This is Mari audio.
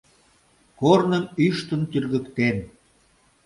Корным ӱштын тӱргыктен